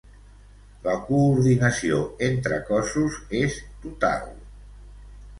La coordinació entre cossos és total.